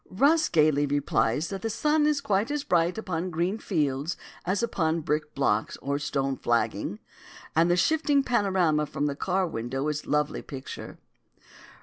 Rus gayly replies that the sun is quite as bright upon green fields as upon brick blocks or stone flagging, and the shifting panorama from the car window is a lovely picture.